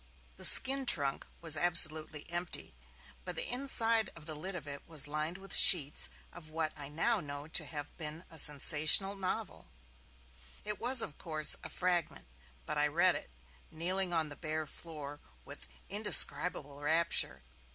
The skin trunk was absolutely empty, but the inside of the lid of it was lined with sheets of what I now know to have been a sensational novel. It was, of course, a fragment, but I read it, kneeling on the bare floor, with indescribable rapture.